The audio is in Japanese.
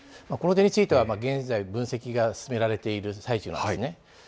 この点については現在、分析が進められている最中なんですね。